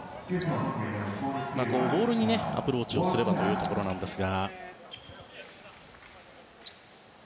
ボールにアプローチをすればというところでした。